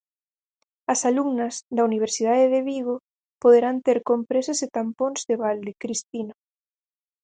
As alumnas da Universidade de Vigo poderán ter compresas e tampóns de balde, Cristina.